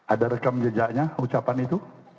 ada rekam jejaknya ucapan itu